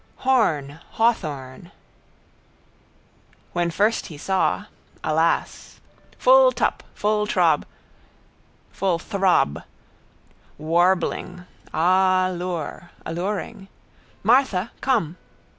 Horn. Hawhorn. When first he saw. Alas! Full tup. Full throb. Warbling. Ah, lure! Alluring. Martha! Come!